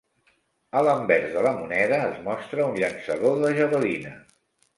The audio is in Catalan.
A l'anvers de la moneda es mostra un llançador de javelina.